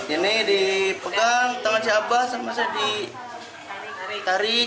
ini dipegang tangan si abbas di tarik